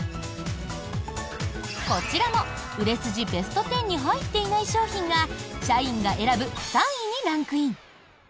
こちらも売れ筋ベスト１０に入っていない商品が社員が選ぶ３位にランクイン。